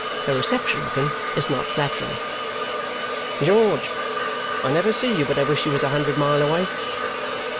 Her reception of him is not flattering. "George, I never see you but I wish you was a hundred mile away!"